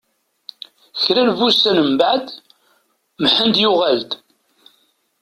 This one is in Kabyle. Kra n wussan mbeɛd, Mḥend yuɣal-d.